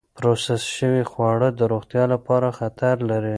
پروسس شوې خواړه د روغتیا لپاره خطر لري.